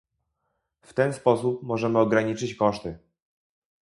W ten sposób możemy ograniczyć koszty